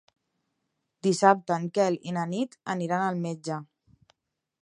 Dissabte en Quel i na Nit aniran al metge.